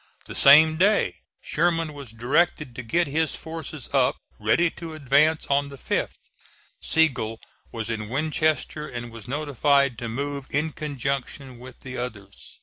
The same day Sherman was directed to get his forces up ready to advance on the 5th. Sigel was in Winchester and was notified to move in conjunction with the others.